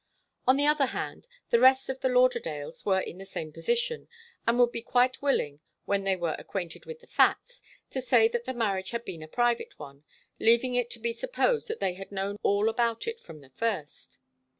On the other hand, the rest of the Lauderdales were in the same position, and would be quite willing, when they were acquainted with the facts, to say that the marriage had been a private one, leaving it to be supposed that they had known all about it from the first.